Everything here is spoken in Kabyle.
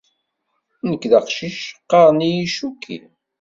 Nekk d aqcic, qqaren-iyi Chucky.